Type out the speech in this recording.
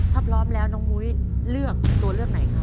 ถ้าพร้อมแล้วน้องมุ้ยเลือกตัวเลือกไหนครับ